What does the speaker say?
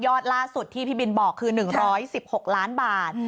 ล่าสุดที่พี่บินบอกคือ๑๑๖ล้านบาท